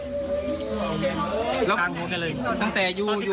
ตรงใกล้งหัวเลย